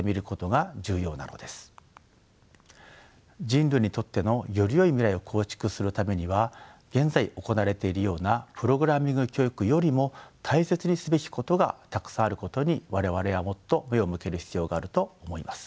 人類にとってのよりよい未来を構築するためには現在行われているようなプログラミング教育よりも大切にすべきことがたくさんあることに我々はもっと目を向ける必要があると思います。